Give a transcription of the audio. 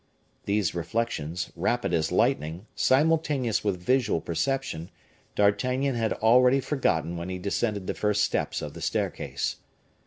These reflections, rapid as lightning, simultaneous with visual perception, D'Artagnan had already forgotten when he descended the first steps of the staircase.